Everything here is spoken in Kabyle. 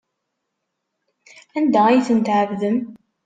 Anda ay ten-tɛebdem?